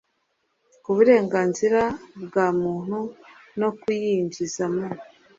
ku burenganzira bwa muntu no kuyinjiza mu